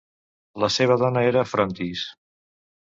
La seva dona era Frontis.